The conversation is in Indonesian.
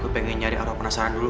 gue pengen nyari arwah penasaran dulu